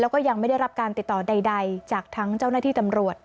แล้วก็ยังไม่ได้รับการติดต่อใดจากทั้งเจ้าหน้าที่ตำรวจ